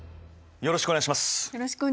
よろしくお願いします。